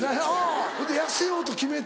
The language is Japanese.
ほいで痩せようと決めて。